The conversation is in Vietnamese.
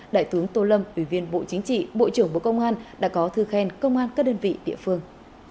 đại tướng tô lâm ủy viên bộ chính trị bộ trưởng bộ công an đã có thư khen công an các đơn vị địa phương